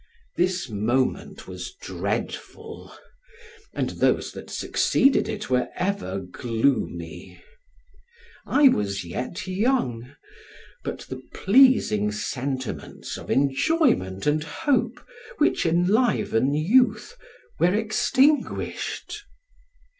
This moment was dreadful, and those that succeeded it were ever gloomy. I was yet young, but the pleasing sentiments of enjoyment and hope, which enliven youth, were extinguished.